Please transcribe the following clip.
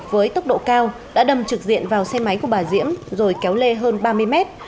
với tốc độ cao đã đâm trực diện vào xe máy của bà diễm rồi kéo lê hơn ba mươi mét